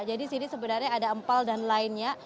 jadi sini sebenarnya ada empal dan lainnya